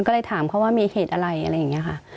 ก็เลยถามเขาว่ามีเหตุอะไรอะไรอย่างนี้ค่ะ